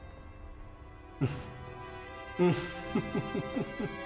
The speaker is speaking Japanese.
フフフフフフ。